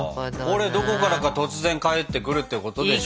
これどこからか突然帰ってくるってことでしょ？